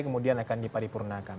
kemudian akan dipadipurnakan